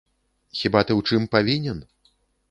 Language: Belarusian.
Хіба ты ў чым павінен?